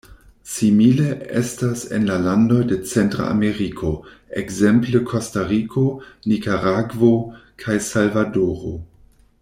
Simile estas en la landoj de Centra Ameriko, ekzemple Kostariko, Nikaragvo kaj Salvadoro.